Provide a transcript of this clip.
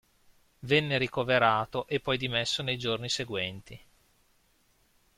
Venne ricoverato e poi dimesso nei giorni seguenti.